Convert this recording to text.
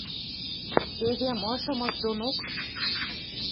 Эдем ышым ыш донок?